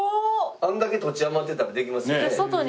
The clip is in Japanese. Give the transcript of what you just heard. あれだけ土地余ってたらできますよね。